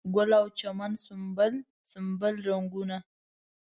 ګل او چمن سنبل، سنبل رنګونه